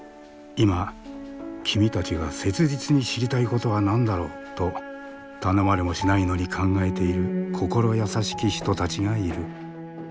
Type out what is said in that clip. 「今君たちが切実に知りたいことは何だろう？」と頼まれもしないのに考えている心優しき人たちがいる。